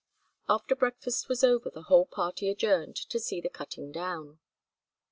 After breakfast was over the whole party adjourned to see the cutting down.